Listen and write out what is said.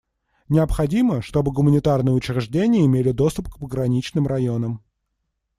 Необходимо, чтобы гуманитарные учреждения имели доступ к пограничным районам.